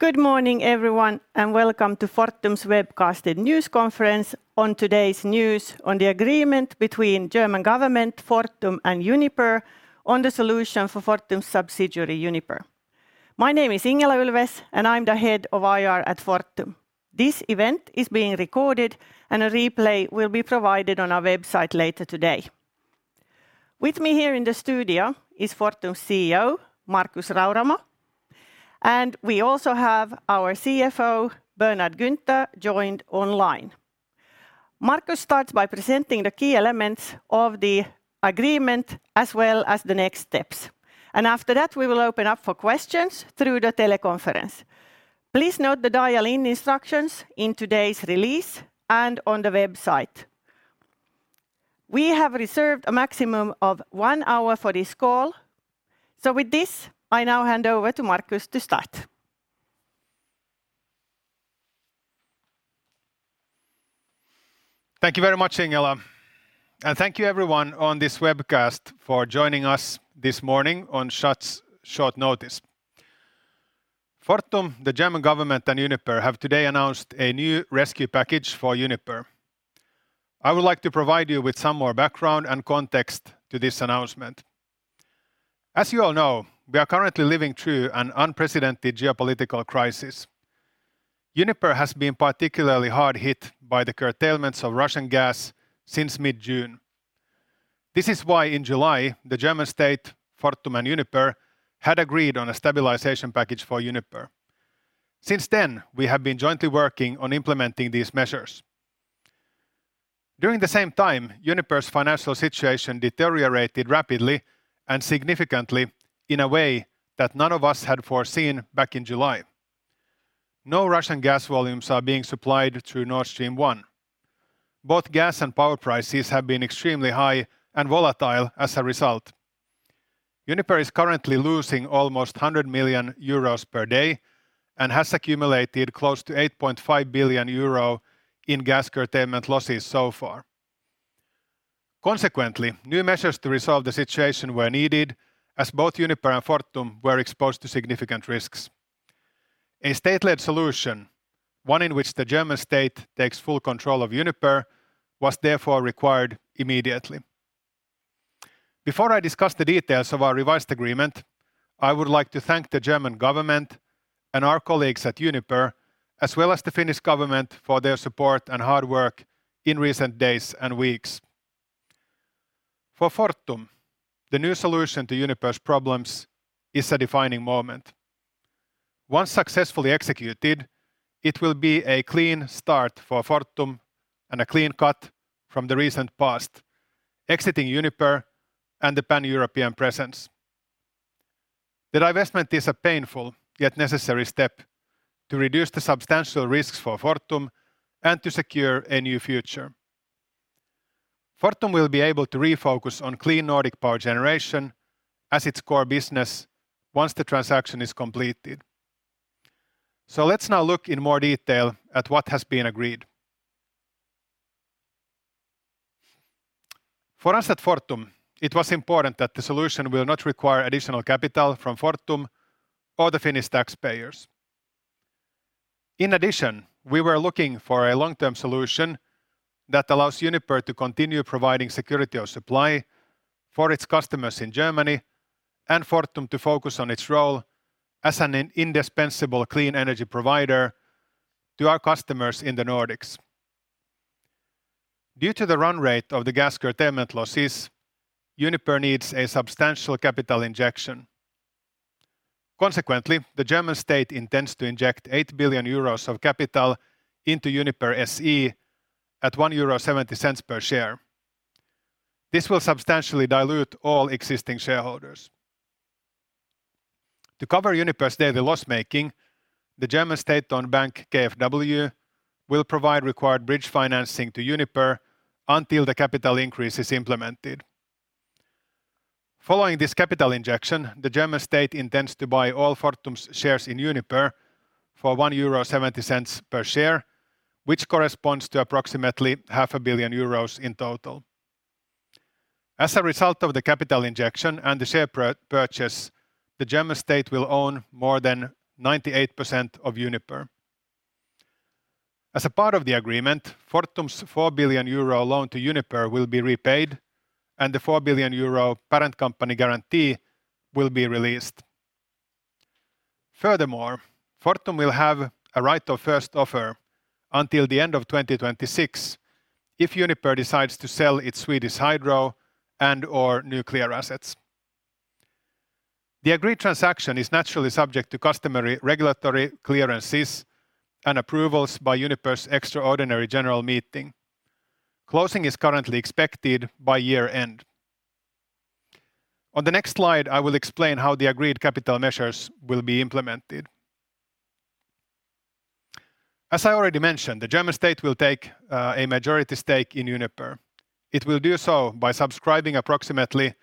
Good morning, everyone, and welcome to Fortum's webcasted news conference on today's news on the agreement between German government, Fortum, and Uniper on the solution for Fortum's subsidiary, Uniper. My name is Ingela Ulfves, and I'm the head of IR at Fortum. This event is being recorded and a replay will be provided on our website later today. With me here in the studio is Fortum's CEO, Markus Rauramo. We also have our CFO, Bernhard Günther, joined online. Markus starts by presenting the key elements of the agreement as well as the next steps. After that, we will open up for questions through the teleconference. Please note the dial-in instructions in today's release and on the website. We have reserved a maximum of one hour for this call. With this, I now hand over to Markus to start. Thank you very much, Ingela. Thank you everyone on this webcast for joining us this morning on such short notice. Fortum, the German government, and Uniper have today announced a new rescue package for Uniper. I would like to provide you with some more background and context to this announcement. As you all know, we are currently living through an unprecedented geopolitical crisis. Uniper has been particularly hard hit by the curtailments of Russian gas since mid-June. This is why in July, the German state, Fortum, and Uniper had agreed on a stabilization package for Uniper. Since then, we have been jointly working on implementing these measures. During the same time, Uniper's financial situation deteriorated rapidly and significantly in a way that none of us had foreseen back in July. No Russian gas volumes are being supplied through Nord Stream 1. Both gas and power prices have been extremely high and volatile as a result. Uniper is currently losing almost 100 million euros per day and has accumulated close to 8.5 billion euro in gas curtailment losses so far. Consequently, new measures to resolve the situation were needed as both Uniper and Fortum were exposed to significant risks. A state-led solution, one in which the German state takes full control of Uniper, was therefore required immediately. Before I discuss the details of our revised agreement, I would like to thank the German government and our colleagues at Uniper, as well as the Finnish government for their support and hard work in recent days and weeks. For Fortum, the new solution to Uniper's problems is a defining moment. Once successfully executed, it will be a clean start for Fortum and a clean cut from the recent past, exiting Uniper and the Pan-European presence. The divestment is a painful yet necessary step to reduce the substantial risks for Fortum and to secure a new future. Fortum will be able to refocus on clean Nordic power generation as its core business once the transaction is completed. Let's now look in more detail at what has been agreed. For us at Fortum, it was important that the solution will not require additional capital from Fortum or the Finnish taxpayers. In addition, we were looking for a long-term solution that allows Uniper to continue providing security of supply for its customers in Germany and Fortum to focus on its role as an indispensable clean energy provider to our customers in the Nordics. Due to the run rate of the gas curtailment losses, Uniper needs a substantial capital injection. Consequently, the German state intends to inject 8 billion euros of capital into Uniper SE at 1.70 euro per share. This will substantially dilute all existing shareholders. To cover Uniper's daily loss making, the German state-owned bank, KfW, will provide required bridge financing to Uniper until the capital increase is implemented. Following this capital injection, the German state intends to buy all Fortum's shares in Uniper for 1.70 euro per share, which corresponds to approximately half a billion EUR in total. As a result of the capital injection and the share purchase, the German state will own more than 98% of Uniper. As a part of the agreement, Fortum's 4 billion euro loan to Uniper will be repaid, and the 4 billion euro parent company guarantee will be released. Furthermore, Fortum will have a right of first offer until the end of 2026 if Uniper decides to sell its Swedish Hydro and/or nuclear assets. The agreed transaction is naturally subject to customary regulatory clearances and approvals by Uniper's extraordinary general meeting. Closing is currently expected by year-end. On the next slide, I will explain how the agreed capital measures will be implemented. As I already mentioned, the German state will take a majority stake in Uniper. It will do so by subscribing approximately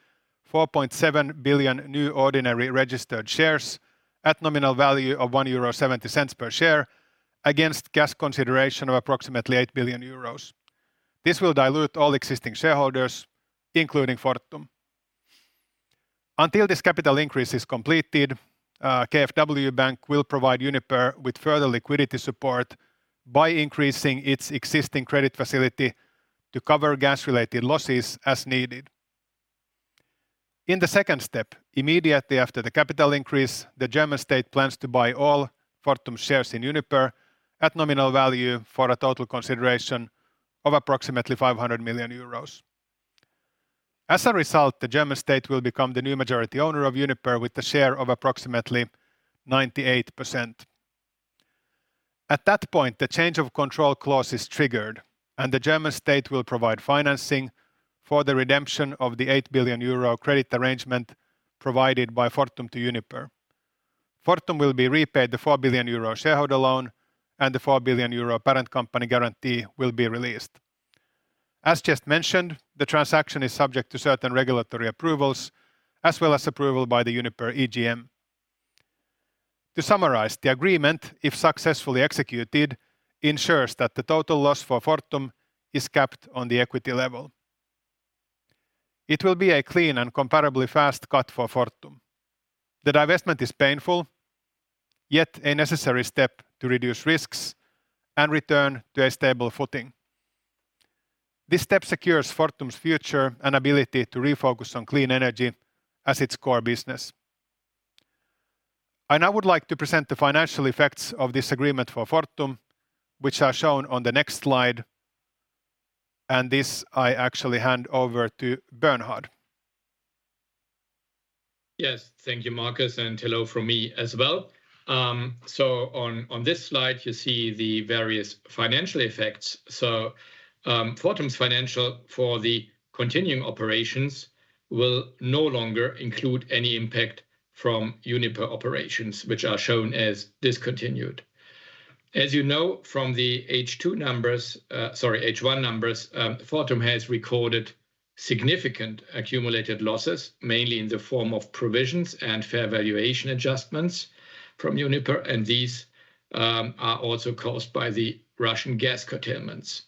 4.7 billion new ordinary registered shares at nominal value of €1.70 per share against gas consideration of approximately 8 billion euros. This will dilute all existing shareholders, including Fortum. Until this capital increase is completed, KfW Bank will provide Uniper with further liquidity support by increasing its existing credit facility to cover gas-related losses as needed. In the second step, immediately after the capital increase, the German state plans to buy all Fortum shares in Uniper at nominal value for a total consideration of approximately 500 million euros. As a result, the German state will become the new majority owner of Uniper with a share of approximately 98%. At that point, the change of control clause is triggered, and the German state will provide financing for the redemption of the 8 billion euro credit arrangement provided by Fortum to Uniper. Fortum will be repaid the 4 billion euro shareholder loan and the 4 billion euro parent company guarantee will be released. As just mentioned, the transaction is subject to certain regulatory approvals as well as approval by the Uniper EGM. To summarize, the agreement, if successfully executed, ensures that the total loss for Fortum is capped on the equity level. It will be a clean and comparably fast cut for Fortum. The divestment is painful, yet a necessary step to reduce risks and return to a stable footing. This step secures Fortum's future and ability to refocus on clean energy as its core business. I now would like to present the financial effects of this agreement for Fortum, which are shown on the next slide, and this I actually hand over to Bernhard. Yes. Thank you, Markus, and hello from me as well. On this slide, you see the various financial effects. Fortum's financials for the continuing operations will no longer include any impact from Uniper operations, which are shown as discontinued. As you know from the H2 numbers, sorry, H1 numbers, Fortum has recorded significant accumulated losses, mainly in the form of provisions and fair valuation adjustments from Uniper, and these are also caused by the Russian gas curtailments.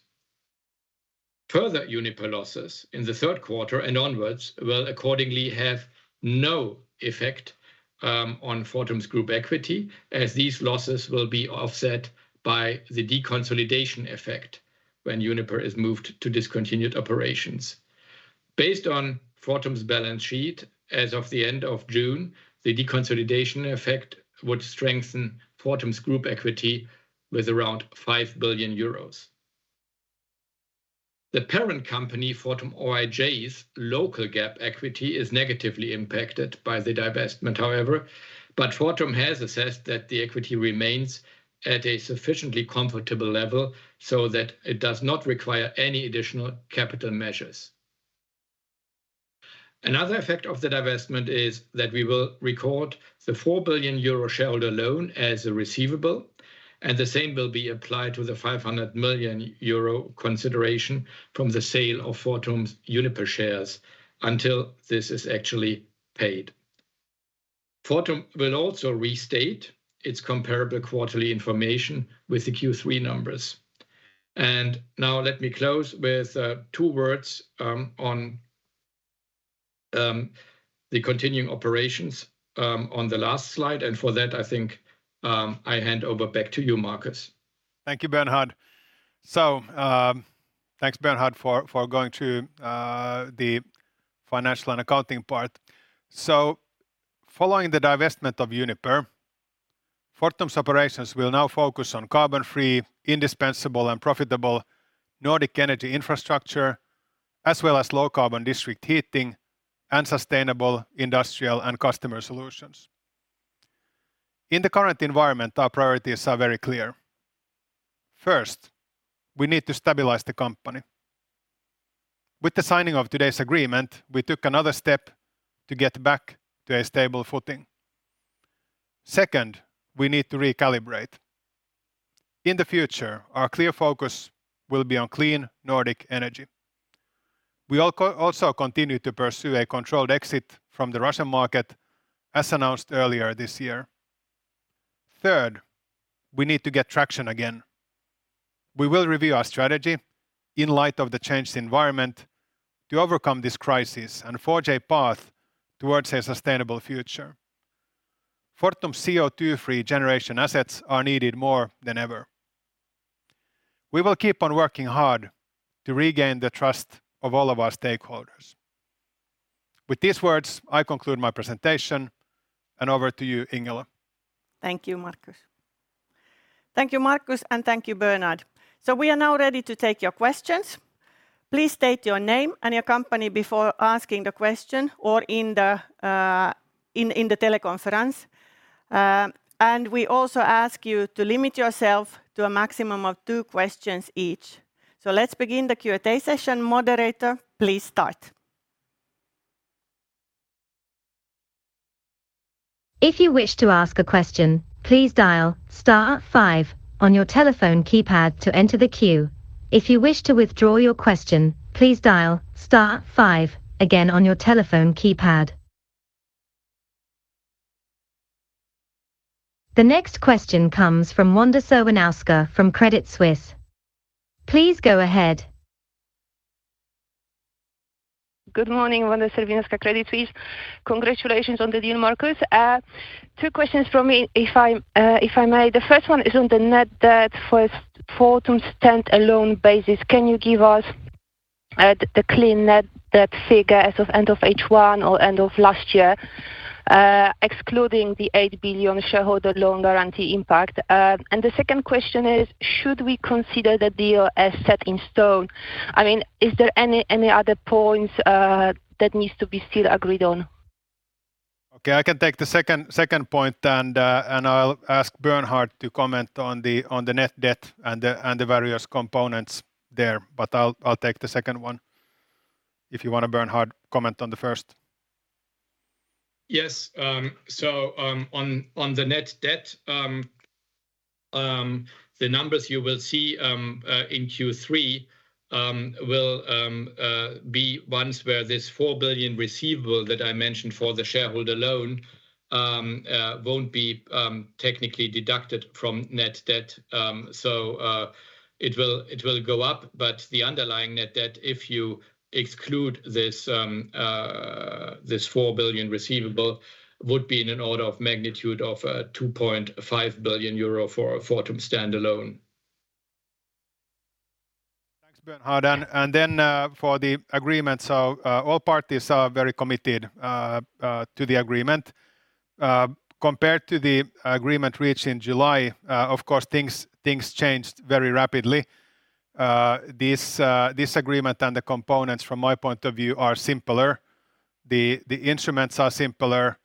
Further Uniper losses in the third quarter and onwards will accordingly have no effect on Fortum's group equity as these losses will be offset by the deconsolidation effect when Uniper is moved to discontinued operations. Based on Fortum's balance sheet as of the end of June, the deconsolidation effect would strengthen Fortum's group equity with around 5 billion euros. The parent company, Fortum Oyj's local GAAP equity, is negatively impacted by the divestment, however. Fortum has assessed that the equity remains at a sufficiently comfortable level so that it does not require any additional capital measures. Another effect of the divestment is that we will record the 4 billion euro shareholder loan as a receivable, and the same will be applied to the 500 million euro consideration from the sale of Fortum's Uniper shares until this is actually paid. Fortum will also restate its comparable quarterly information with the Q3 numbers. Now let me close with two words on the continuing operations on the last slide. For that, I think, I hand over back to you, Markus. Thank you, Bernhard. Thanks, Bernhard, for going through the financial and accounting part. Following the divestment of Uniper, Fortum's operations will now focus on carbon-free, indispensable, and profitable Nordic energy infrastructure, as well as low-carbon district heating and sustainable industrial and customer solutions. In the current environment, our priorities are very clear. First, we need to stabilize the company. With the signing of today's agreement, we took another step to get back to a stable footing. Second, we need to recalibrate. In the future, our clear focus will be on clean Nordic energy. We also continue to pursue a controlled exit from the Russian market, as announced earlier this year. Third, we need to get traction again. We will review our strategy in light of the changed environment to overcome this crisis and forge a path towards a sustainable future. Fortum's CO2 free generation assets are needed more than ever. We will keep on working hard to regain the trust of all of our stakeholders. With these words, I conclude my presentation, and over to you, Ingela. Thank you, Markus. Thank you, Markus, and thank you, Bernhard. We are now ready to take your questions. Please state your name and your company before asking the question or in the teleconference. We also ask you to limit yourself to a maximum of two questions each. Let's begin the Q&A session. Moderator, please start. If you wish to ask a question, please dial star five on your telephone keypad to enter the queue. If you wish to withdraw your question, please dial star five again on your telephone keypad. The next question comes from Wanda Serwinowska from Credit Suisse. Please go ahead. Good morning, Wanda Serwinowska, Credit Suisse. Congratulations on the deal, Markus. Two questions from me if I may. The first one is on the net debt for Fortum standalone basis. Can you give us the clean net debt figure as of end of H1 or end of last year, excluding the 8 billion shareholder loan guarantee impact? The second question is, should we consider the deal as set in stone? I mean, is there any other points that needs to be still agreed on? Okay. I can take the second point and I'll ask Bernhard to comment on the net debt and the various components there. I'll take the second one. If you wanna, Bernhard, comment on the first. Yes. On the net debt, the numbers you will see in Q3 will be ones where this 4 billion receivable that I mentioned for the shareholder loan won't be technically deducted from net debt. It will go up. But the underlying net debt, if you exclude this 4 billion receivable, would be in an order of magnitude of 2.5 billion euro for Fortum standalone. Thanks, Bernhard, for the agreement. All parties are very committed to the agreement. Compared to the agreement reached in July, of course, things changed very rapidly. This agreement and the components from my point of view are simpler. The instruments are simpler.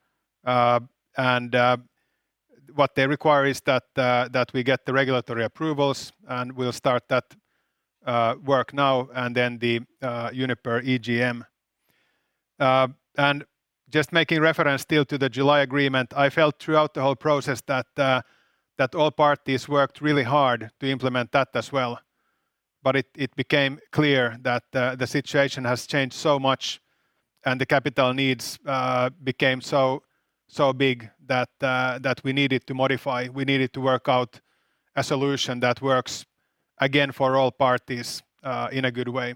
What they require is that we get the regulatory approvals, and we'll start that work now and then the Uniper EGM. Just making reference still to the July agreement, I felt throughout the whole process that all parties worked really hard to implement that as well. It became clear that the situation has changed so much and the capital needs became so big that we needed to modify. We needed to work out a solution that works again for all parties, in a good way.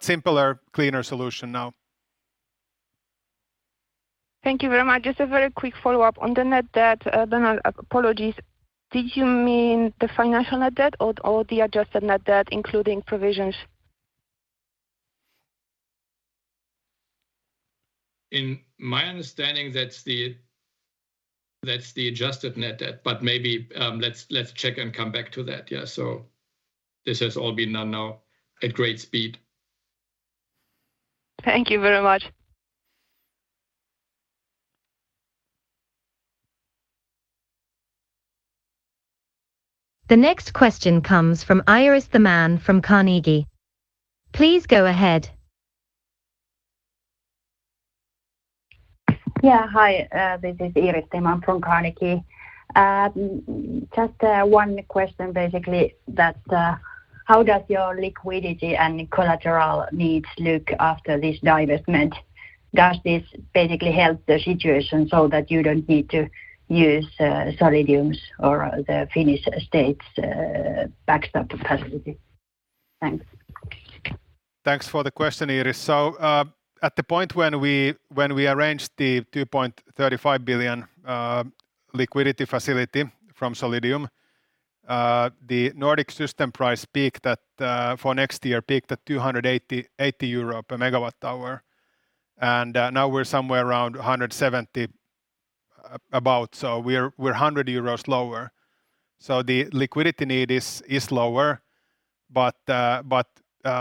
Simpler, cleaner solution now. Thank you very much. Just a very quick follow-up. On the net debt, Bernhard, apologies, did you mean the financial net debt or the adjusted net debt including provisions? In my understanding, that's the adjusted net debt. Maybe, let's check and come back to that. Yeah. This has all been done now at great speed. Thank you very much. The next question comes from Iiris Theman from Carnegie. Please go ahead. Yeah. Hi, this is Iiris Theman from Carnegie. Just one question basically that how does your liquidity and collateral needs look after this divestment? Does this basically help the situation so that you don't need to use Solidium's or the Finnish state's backstop capacity? Thanks. Thanks for the question, Iiris. At the point when we arranged the 2.35 billion liquidity facility from Solidium, the Nordic system price peaked at 280 EUR/MWh for next year. Now we're somewhere around 170, so we're 100 euros lower. The liquidity need is lower. But I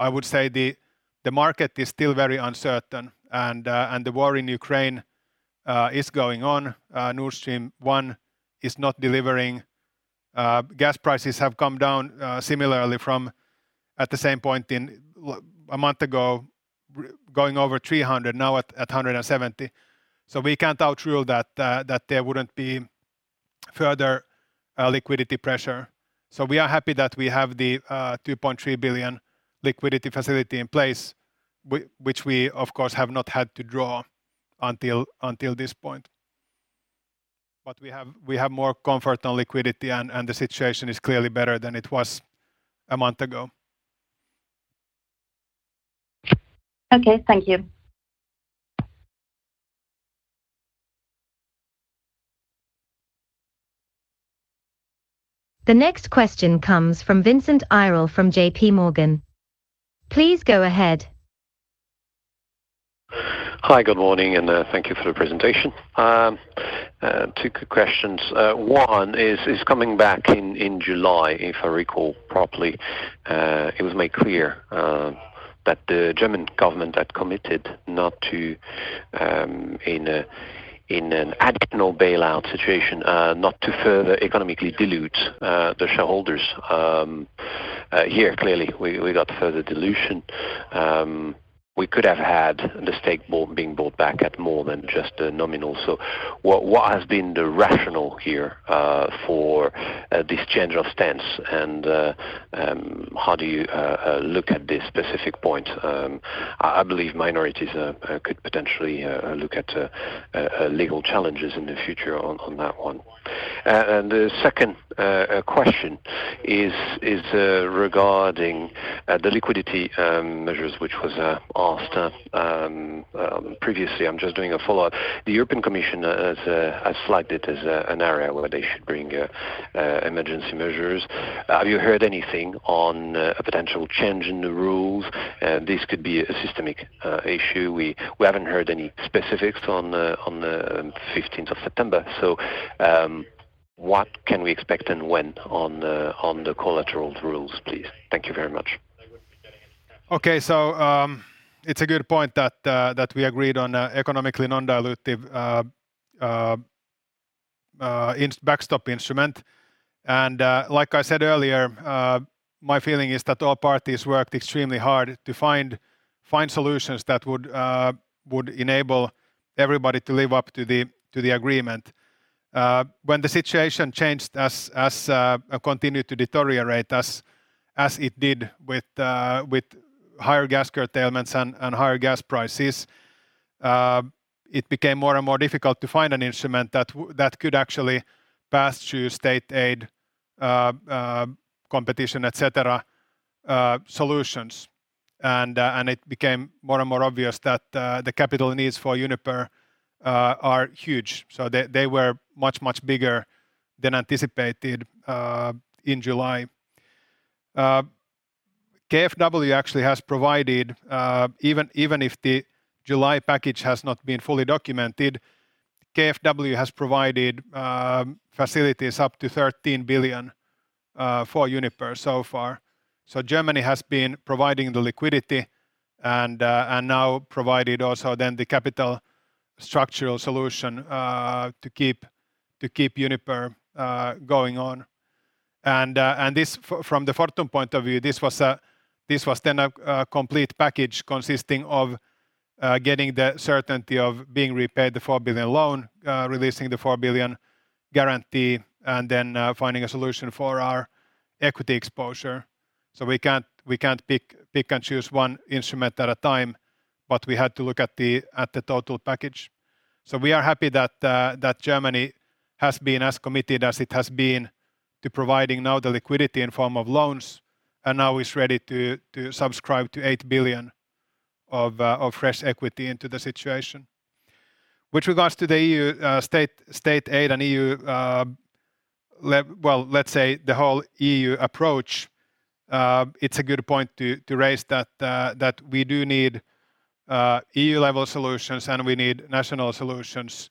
would say the market is still very uncertain and the war in Ukraine is going on. Nord Stream 1 is not delivering. Gas prices have come down similarly from at the same point a month ago going over 300, now at 170. We can't rule out that there wouldn't be further liquidity pressure. We are happy that we have the 2.3 billion liquidity facility in place which we of course have not had to draw until this point. We have more comfort on liquidity and the situation is clearly better than it was a month ago. Okay. Thank you. The next question comes from Vincent Ayral from J.P. Morgan. Please go ahead. Hi. Good morning and, thank you for the presentation. Two questions. One is coming back in July, if I recall properly, it was made clear that the German government had committed not to, in an additional bailout situation, not to further economically dilute the shareholders. Here clearly we got further dilution. We could have had the stake bought, being bought back at more than just the nominal. What has been the rationale here for this change of stance? How do you look at this specific point? I believe minorities could potentially look at legal challenges in the future on that one. The second question is regarding the liquidity measures, which was asked previously. I'm just doing a follow-up. The European Commission has flagged it as an area where they should bring emergency measures. Have you heard anything on a potential change in the rules? This could be a systemic issue. We haven't heard any specifics on the fifteenth of September. What can we expect and when on the collateral rules, please? Thank you very much. Okay. It's a good point that we agreed on economically non-dilutive backstop instrument. Like I said earlier, my feeling is that all parties worked extremely hard to find solutions that would enable everybody to live up to the agreement. When the situation changed as or continued to deteriorate as it did with higher gas curtailments and higher gas prices, it became more and more difficult to find an instrument that could actually pass through state aid, competition, et cetera, solutions. It became more and more obvious that the capital needs for Uniper are huge. They were much bigger than anticipated in July. KfW actually has provided, even if the July package has not been fully documented, KfW has provided facilities up to 13 billion for Uniper so far. Germany has been providing the liquidity and now provided also then the capital structure solution to keep Uniper going on. From the Fortum point of view, this was then a complete package consisting of getting the certainty of being repaid the 4 billion loan, releasing the 4 billion guarantee, and then finding a solution for our equity exposure. We can't pick and choose one instrument at a time, but we had to look at the total package. We are happy that Germany has been as committed as it has been to providing now the liquidity in form of loans and now is ready to subscribe to 8 billion of fresh equity into the situation. With regards to the EU, state aid and EU, well, let's say the whole EU approach, it's a good point to raise that we do need EU-level solutions and we need national solutions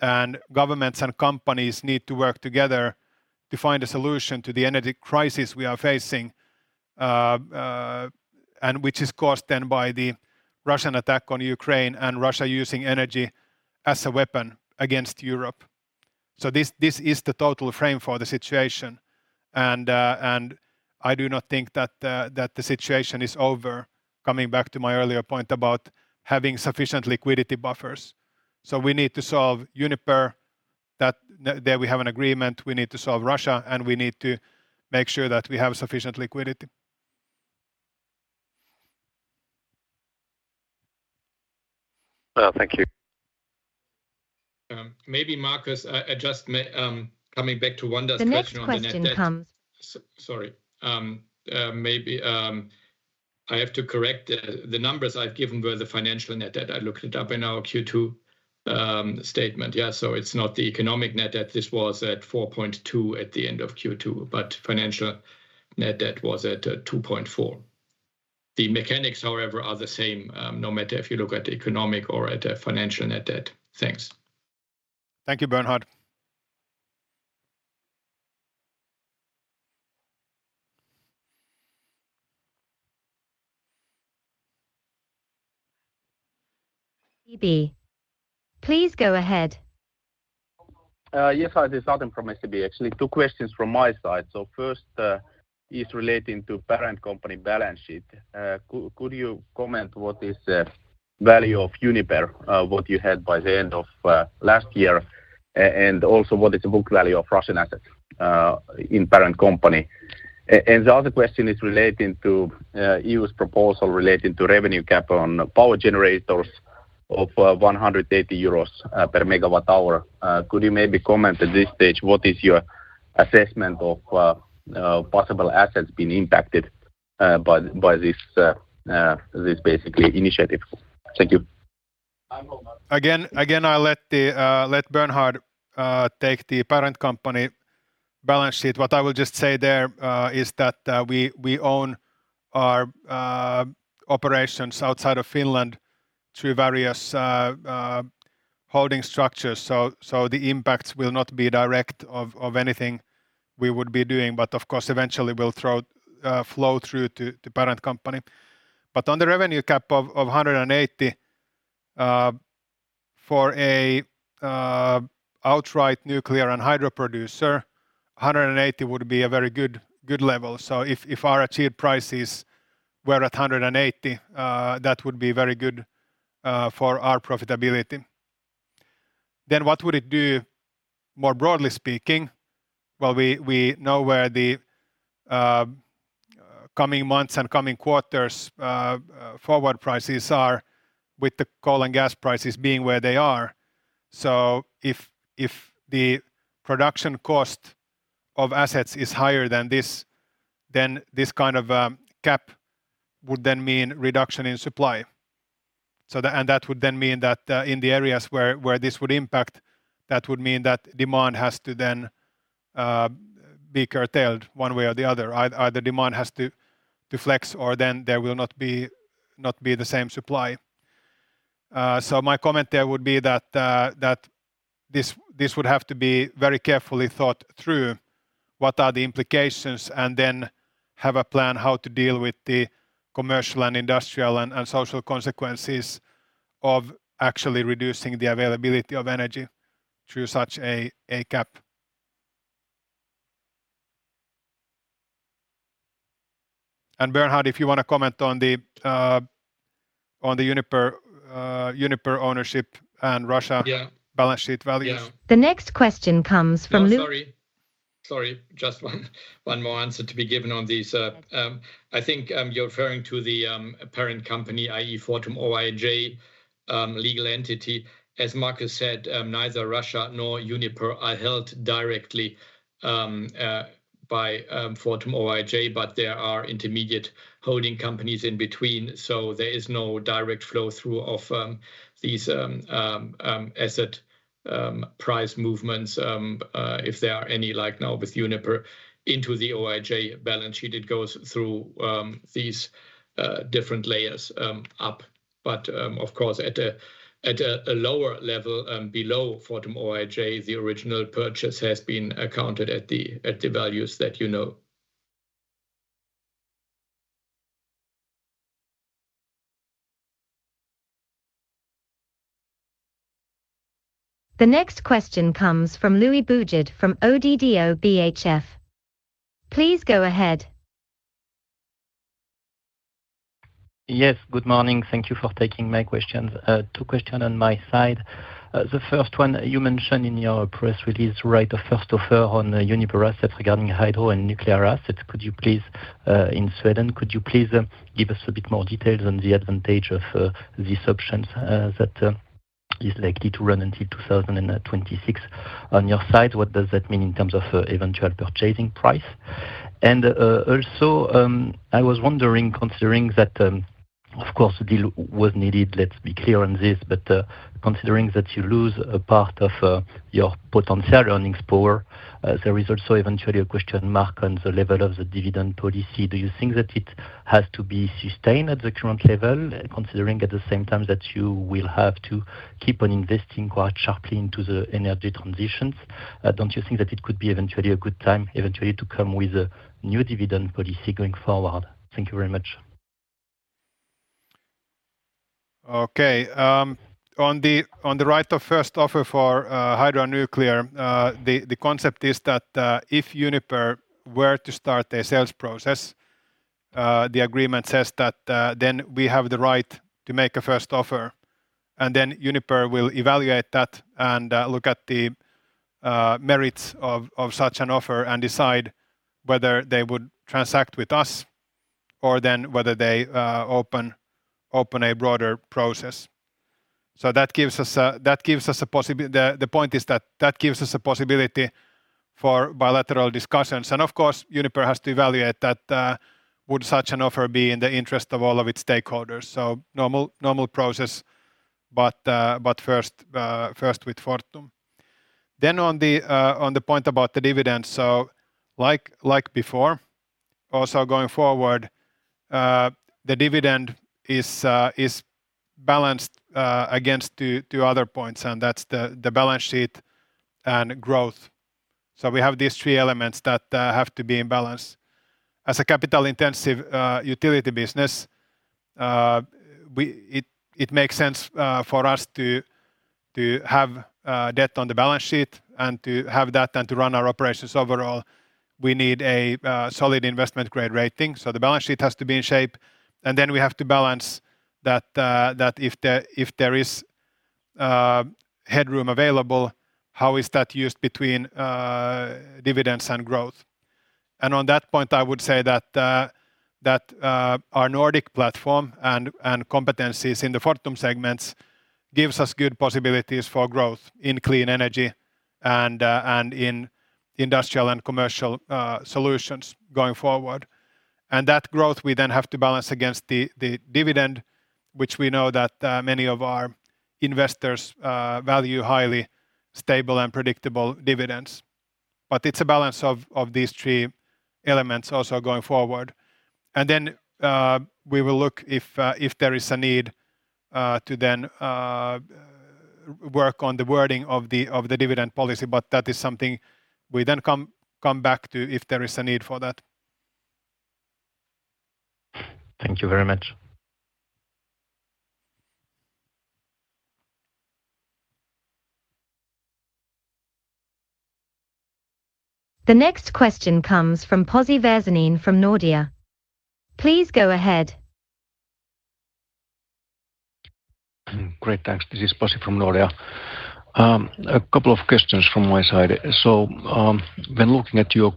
and governments and companies need to work together to find a solution to the energy crisis we are facing, and which is caused then by the Russian attack on Ukraine and Russia using energy as a weapon against Europe. This is the total frame for the situation. I do not think that the situation is over, coming back to my earlier point about having sufficient liquidity buffers. We need to solve Uniper. There we have an agreement. We need to solve Russia, and we need to make sure that we have sufficient liquidity. Well, thank you. Maybe Markus, just coming back to Wanda's question on the net debt. The next question comes. Sorry. Maybe I have to correct the numbers I've given were the financial net debt. I looked it up in our Q2 statement. Yeah, it's not the economic net debt. This was at 4.2 at the end of Q2, but financial net debt was at 2.4. The mechanics, however, are the same, no matter if you look at economic or at financial net debt. Thanks. Thank you, Bernhard. E.B. Please go ahead. Yes. Hi, this is Artem Beletski from SEB. Actually, two questions from my side. First, is relating to parent company balance sheet. Could you comment what is the value of Uniper what you had by the end of last year, and also what is the book value of Russian assets in parent company? The other question is relating to EU's proposal relating to revenue cap on power generators of 180 euros per MWh. Could you maybe comment at this stage what is your assessment of possible assets being impacted by this basically initiative? Thank you. Again, I'll let Bernhard take the parent company balance sheet. What I will just say there is that we own our operations outside of Finland through various holding structures. The impact will not be direct on anything we would be doing, but of course, eventually will flow through to parent company. On the revenue cap of 180 for an outright nuclear and hydro producer, 180 would be a very good level. If our achieved prices were at 180, that would be very good for our profitability. What would it do more broadly speaking? Well, we know where the coming months and coming quarters forward prices are with the coal and gas prices being where they are. If the production cost of assets is higher than this, then this kind of cap would then mean reduction in supply. That would then mean that in the areas where this would impact, that would mean that demand has to then be curtailed one way or the other. Either demand has to flex or then there will not be the same supply. My comment there would be that this would have to be very carefully thought through, what are the implications, and then have a plan how to deal with the commercial and industrial and social consequences of actually reducing the availability of energy through such a cap. Bernhard, if you wanna comment on the Uniper ownership and Russia- Yeah. Balance sheet values. The next question comes from Louis. No, sorry. Sorry, just one more answer to be given on this. I think you're referring to the parent company, i.e. Fortum Oyj, legal entity. As Markus said, neither Russia nor Uniper are held directly by Fortum Oyj, but there are intermediate holding companies in between, so there is no direct flow-through of these asset price movements, if there are any like now with Uniper, into the Oyj balance sheet. It goes through these different layers up. Of course, at a lower level, below Fortum Oyj, the original purchase has been accounted at the values that you know. The next question comes from Louis Boujard from ODDO BHF. Please go ahead. Yes, good morning. Thank you for taking my questions. Two questions on my side. The first one, you mentioned in your press release right of first offer on Uniper assets regarding hydro and nuclear assets. Could you please, in Sweden, give us a bit more details on the advantage of these options that is likely to run until 2026? On your side, what does that mean in terms of eventual purchasing price? Also, I was wondering, considering that, of course, a deal was needed, let's be clear on this, but considering that you lose a part of your potential earnings power, there is also eventually a question mark on the level of the dividend policy. Do you think that it has to be sustained at the current level, considering at the same time that you will have to keep on investing quite sharply into the energy transitions? Don't you think that it could be eventually a good time eventually to come with a new dividend policy going forward? Thank you very much. Okay. On the right of first offer for hydro and nuclear, the concept is that if Uniper were to start a sales process, the agreement says that then we have the right to make a first offer, and then Uniper will evaluate that and look at the merits of such an offer and decide whether they would transact with us or then whether they open a broader process. That gives us a possibility for bilateral discussions. Of course, Uniper has to evaluate that would such an offer be in the interest of all of its stakeholders. Normal process, but first with Fortum. On the point about the dividends. Like before, also going forward, the dividend is balanced against two other points, and that's the balance sheet and growth. We have these three elements that have to be in balance. As a capital-intensive utility business, it makes sense for us to have debt on the balance sheet and to have that and to run our operations overall. We need a solid investment grade rating, so the balance sheet has to be in shape. Then we have to balance that if there is headroom available, how is that used between dividends and growth? On that point, I would say that our Nordic platform and competencies in the Fortum segments gives us good possibilities for growth in clean energy and in industrial and commercial solutions going forward. That growth we then have to balance against the dividend, which we know that many of our investors value highly stable and predictable dividends. It's a balance of these three elements also going forward. We will look if there is a need to then work on the wording of the dividend policy, but that is something we then come back to if there is a need for that. Thank you very much. The next question comes from Pasi Väisänen from Nordea. Please go ahead. Great, thanks. This is Pasi from Nordea. A couple of questions from my side. When looking at your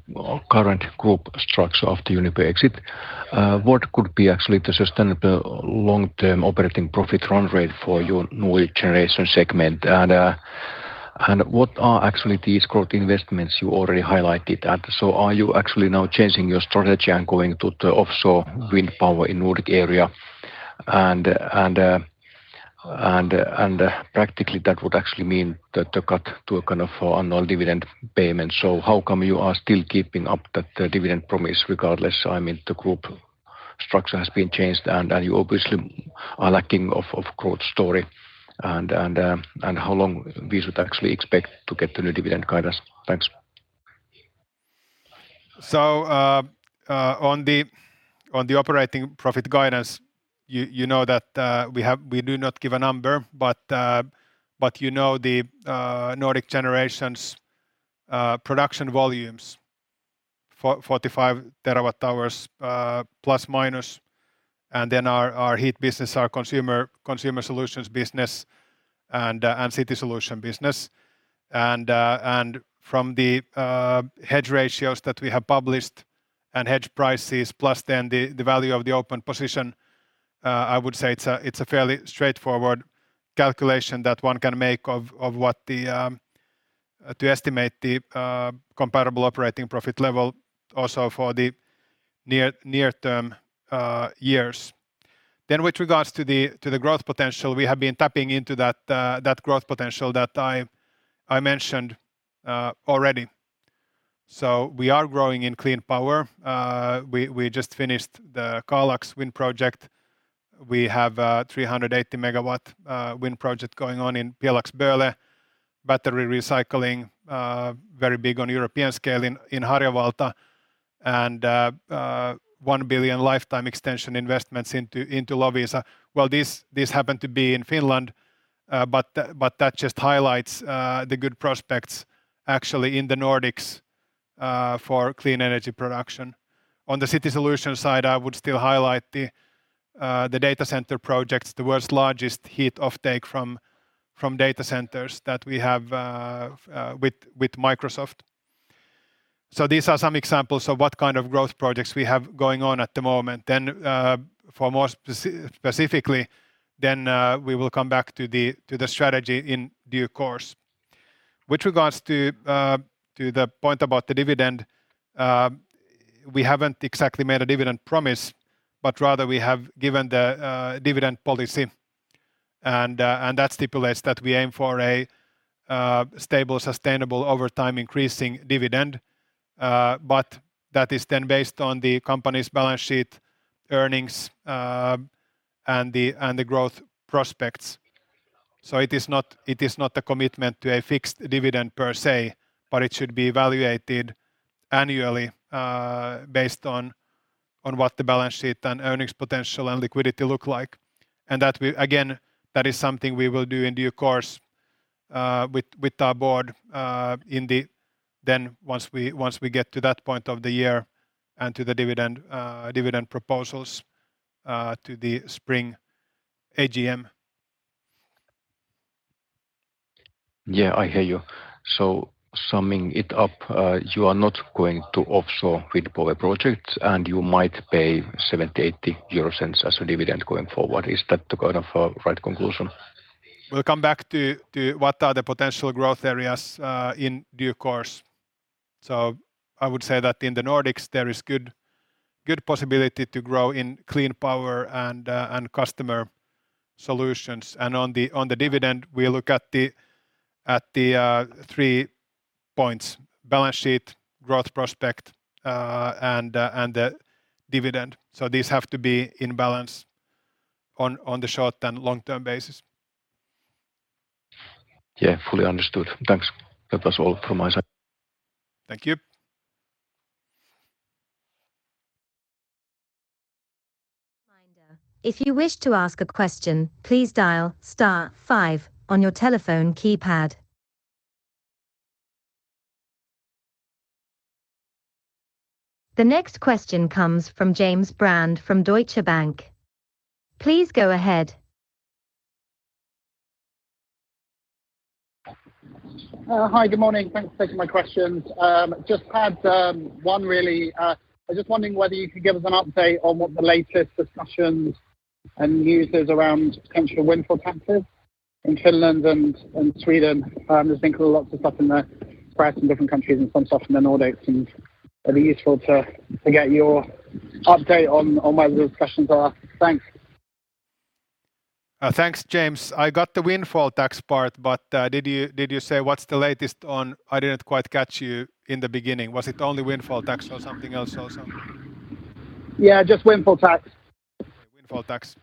current group structure after Uniper exit, what could be actually the sustainable long-term operating profit run rate for your Nordic Generation segment? And what are actually these growth investments you already highlighted at? Are you actually now changing your strategy and going to the offshore wind power in Nordic area? And practically, that would actually mean the cut to a kind of annual dividend payment. How come you are still keeping up that dividend promise regardless? I mean, the group structure has been changed and you obviously are lacking a growth story. And how long we should actually expect to get the new dividend guidance? Thanks. On the operating profit guidance, you know that we do not give a number, but you know the Nordic Generation production volumes, 45 TWh ±, and then our heat business, our Consumer Solutions business and City Solutions business. From the hedge ratios that we have published and hedge prices, plus then the value of the open position, I would say it's a fairly straightforward calculation that one can make of what to estimate the comparable operating profit level also for the near-term years. With regards to the growth potential, we have been tapping into that growth potential that I mentioned already. We are growing in clean power. We just finished the Kalax Wind Project. We have a 380 MW wind project going on in Pjelax-Böle. Battery recycling very big on European scale in Harjavalta. 1 billion lifetime extension investments into Loviisa. Well, these happen to be in Finland, but that just highlights the good prospects actually in the Nordics for clean energy production. On the city solution side, I would still highlight the data center projects, the world's largest heat offtake from data centers that we have with Microsoft. These are some examples of what kind of growth projects we have going on at the moment. For more specifically, we will come back to the strategy in due course. With regards to the point about the dividend, we haven't exactly made a dividend promise, but rather we have given the dividend policy, and that stipulates that we aim for a stable, sustainable, over time increasing dividend. But that is then based on the company's balance sheet earnings, and the growth prospects. It is not a commitment to a fixed dividend per se, but it should be evaluated annually, based on what the balance sheet and earnings potential and liquidity look like. Again, that is something we will do in due course, with our board, then once we get to that point of the year and to the dividend proposals, to the spring AGM. Yeah, I hear you. Summing it up, you are not going to offshore wind power projects, and you might pay 0.70-0.80 euro as a dividend going forward. Is that the kind of right conclusion? We'll come back to what are the potential growth areas in due course. I would say that in the Nordics, there is good possibility to grow in clean power and customer solutions. On the dividend, we look at the three points, balance sheet, growth prospect, and the dividend. These have to be in balance on the short and long-term basis. Yeah, fully understood. Thanks. That was all from my side. Thank you. If you wish to ask a question, please dial star five on your telephone keypad. The next question comes from James Brand from Deutsche Bank. Please go ahead. Hi. Good morning. Thanks for taking my questions. I'm just wondering whether you could give us an update on what the latest discussions and news is around potential windfall taxes in Finland and Sweden. There seems to be lots of stuff in the press in different countries and some stuff in the Nordics. It'd be useful to get your update on where those discussions are. Thanks. Thanks, James. I got the windfall tax part, but did you say what's the latest on, I didn't quite catch you in the beginning. Was it only windfall tax or something else also? Yeah, just windfall tax. Windfall tax.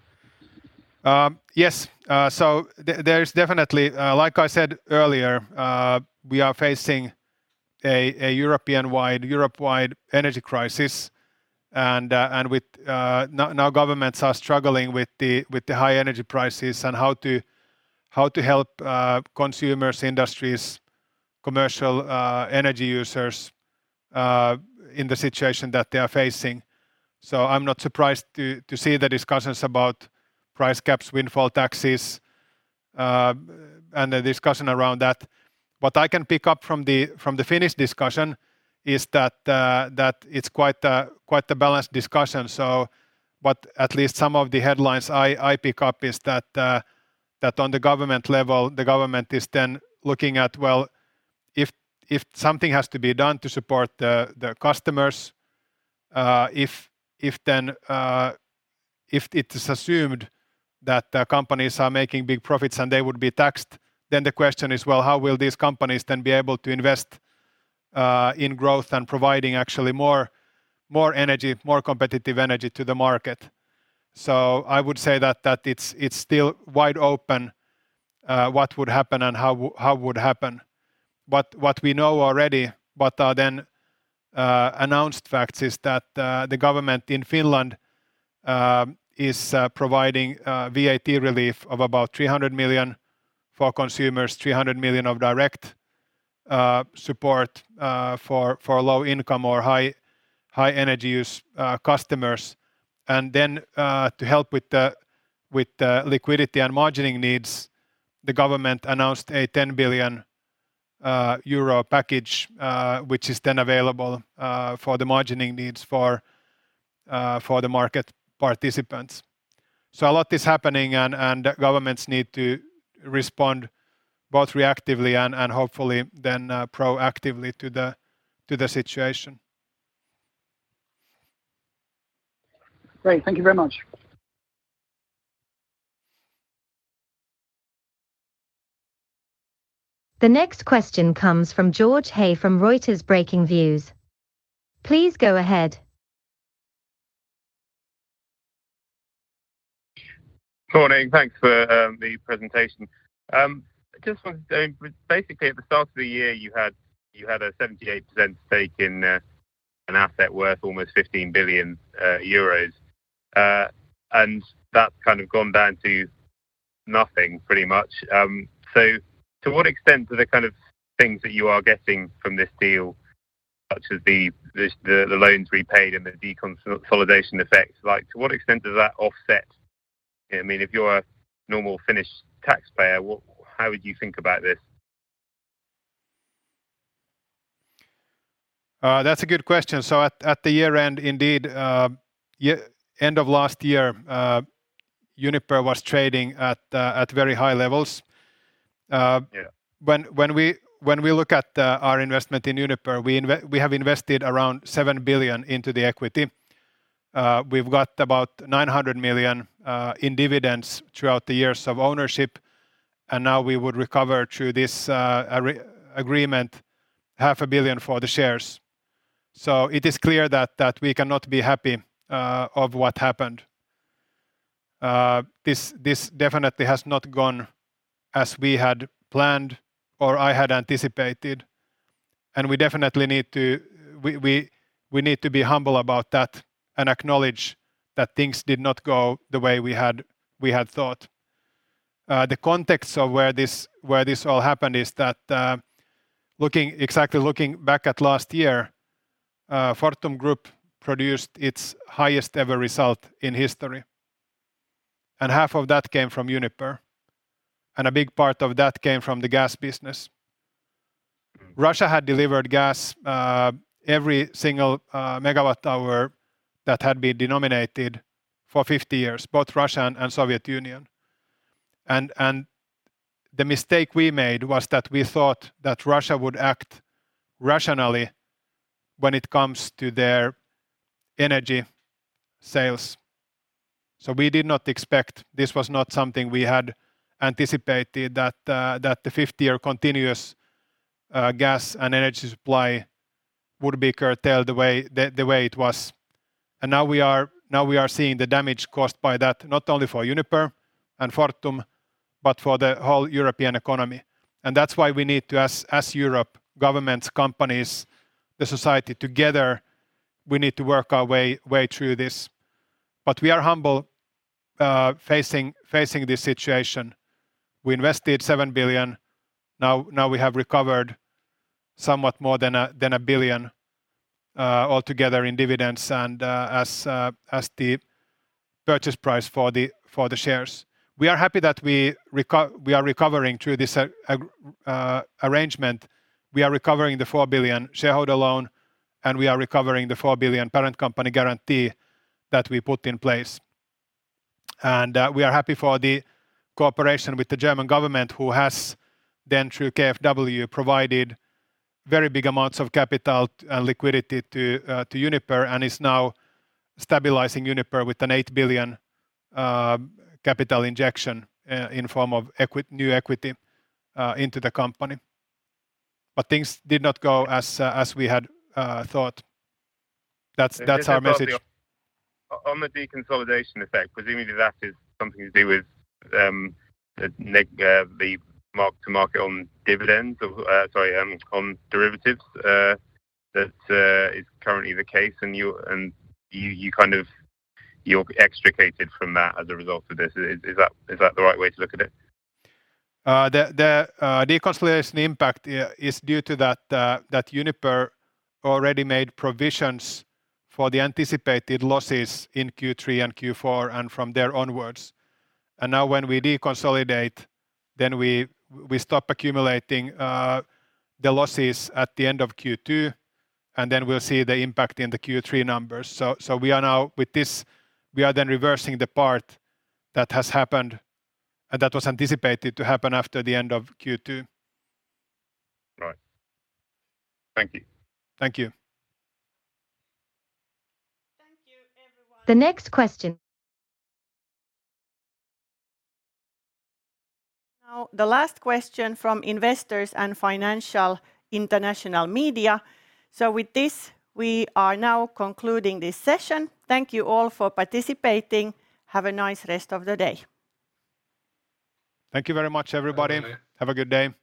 Yes. There's definitely, like I said earlier, we are facing a Europe-wide energy crisis and now governments are struggling with the high energy prices and how to help consumers, industries, commercial energy users in the situation that they are facing. I'm not surprised to see the discussions about price caps, windfall taxes, and the discussion around that. What I can pick up from the Finnish discussion is that it's quite a balanced discussion. What at least some of the headlines I pick up is that on the government level, the government is then looking at, well, if something has to be done to support the customers, if then, if it is assumed that the companies are making big profits and they would be taxed, then the question is, well, how will these companies then be able to invest in growth and providing actually more energy, more competitive energy to the market? I would say that it's still wide open what would happen and how would happen. What we know already, what are the announced facts, is that the government in Finland is providing VAT relief of about 300 million for consumers, 300 million of direct support for low income or high energy use customers. To help with the liquidity and margining needs, the government announced a 10 billion euro package, which is then available for the margining needs for the market participants. A lot is happening and governments need to respond both reactively and hopefully proactively to the situation. Great. Thank you very much. The next question comes from George Hay from Reuters Breakingviews. Please go ahead. Morning. Thanks for the presentation. Just wanted to basically, at the start of the year, you had a 78% stake in an asset worth almost 15 billion euros. That's kind of gone down to nothing pretty much. To what extent do the kind of things that you are getting from this deal, such as the loans repaid and the deconsolidation effects, like, to what extent does that offset? I mean, if you're a normal Finnish taxpayer, how would you think about this? That's a good question. At the year-end, indeed, year-end of last year, Uniper was trading at very high levels. Yeah When we look at our investment in Uniper, we have invested around 7 billion into the equity. We've got about 900 million in dividends throughout the years of ownership, and now we would recover through this agreement EUR half a billion for the shares. It is clear that we cannot be happy of what happened. This definitely has not gone as we had planned or I had anticipated, and we definitely need to be humble about that and acknowledge that things did not go the way we had thought. The context of where this all happened is that, looking back at last year, Fortum Group produced its highest ever result in history, and half of that came from Uniper, and a big part of that came from the gas business. Mm. Russia had delivered gas every single megawatt hour that had been nominated for 50 years, both Russia and Soviet Union. The mistake we made was that we thought that Russia would act rationally when it comes to their energy sales. We did not expect, this was not something we had anticipated that the 50-year continuous gas and energy supply would be curtailed the way it was. Now we are seeing the damage caused by that, not only for Uniper and Fortum, but for the whole European economy. That's why we need to, as Europe, governments, companies, the society together, we need to work our way through this. We are humble facing this situation. We invested 7 billion. Now we have recovered somewhat more than 1 billion altogether in dividends and as the purchase price for the shares. We are happy that we are recovering through this arrangement. We are recovering the 4 billion shareholder loan, and we are recovering the 4 billion parent company guarantee that we put in place. We are happy for the cooperation with the German government, who has then, through KfW, provided very big amounts of capital and liquidity to Uniper and is now stabilizing Uniper with an 8 billion capital injection in form of equity into the company. Things did not go as we had thought. That's our message. On the deconsolidation effect, presumably that is something to do with the mark-to-market on dividends or, sorry, on derivatives that is currently the case and you kind of you're extricated from that as a result of this. Is that the right way to look at it? The deconsolidation impact is due to that Uniper already made provisions for the anticipated losses in Q3 and Q4 and from there onwards. Now when we deconsolidate, then we stop accumulating the losses at the end of Q2, and then we'll see the impact in the Q3 numbers. We are now, with this, we are then reversing the part that has happened and that was anticipated to happen after the end of Q2. Right. Thank you. Thank you. Thank you, everyone. The next question. Now the last question from investors and financial international media. So with this, we are now concluding this session. Thank you all for participating. Have a nice rest of the day. Thank you very much, everybody. Have a good day.